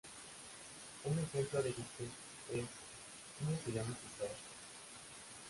Un ejemplo de chiste, es: —¿Cómo se llama tu perro?